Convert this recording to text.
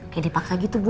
kayak dipaksa gitu bu